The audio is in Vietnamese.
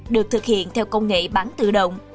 được thực hiện theo công nghệ bán tự động